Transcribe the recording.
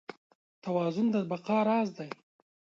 توازن د بقا راز دی.